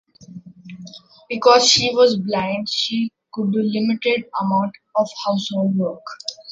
Because she was blind, she could do limited amount of household work.